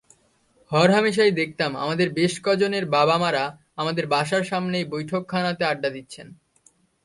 হরহামেশাই দেখতাম আমাদেরই বেশ কজনের বাবা–মারা আমার বাসার সামনের বৈঠকখানাতে আড্ডা দিচ্ছেন।